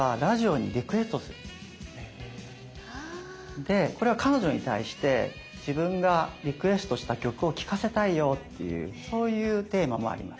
でこれは彼女に対して自分がリクエストした曲を聞かせたいよっていうそういうテーマもあります。